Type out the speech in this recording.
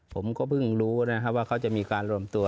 ผมก็เพิ่งรู้นะครับว่าเขาจะมีการรวมตัว